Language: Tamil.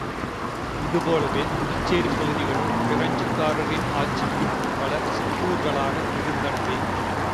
இதுபோலவே, புதுச்சேரிப் பகுதிகளும் பிரெஞ்சுக்காரரின் ஆட்சிக்கு முன் பல சிற்றூர்களாக இருந்தனவே.